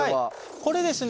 これですね